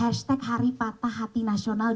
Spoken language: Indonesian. hashtag hari patah hati nasional